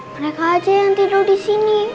mereka aja yang tidur disini